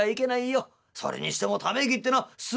「それにしてもため息ってのはすごいですね」。